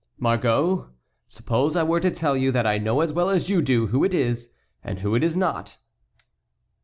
"Margot, suppose I were to tell you that I know as well as you do who it is and who it is not?"